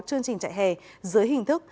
chương trình chạy hè dưới hình thức